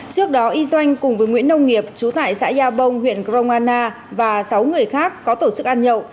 trước đó y doanh cùng với nguyễn nông nghiệp chú tải xã gia bông huyện grongana và sáu người khác có tổ chức ăn nhậu